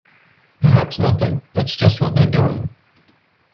Perhaps nothing-that's just what they're doing.